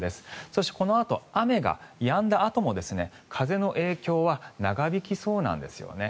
そして、このあと雨がやんだあとも風の影響は長引きそうなんですよね。